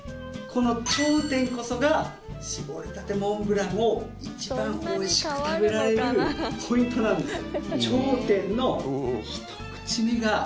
この頂点こそが搾りたてモンブランを一番おいしく食べられるポイントなんです。